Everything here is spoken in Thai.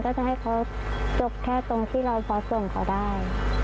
จะให้เขาจบแค่ตรงที่เราพอส่งเขาได้